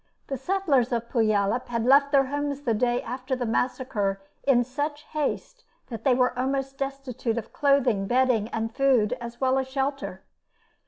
The settlers of Puyallup had left their homes the day after the massacre in such haste that they were almost destitute of clothing, bedding, and food, as well as shelter.